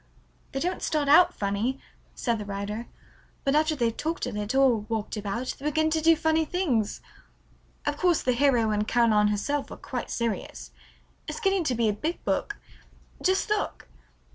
"They don't start out funny," said the writer, "but after they've talked a little or walked about they begin to do funny things. Of course the hero and Caroline herself are quite serious. It's getting to be a big book. Just look."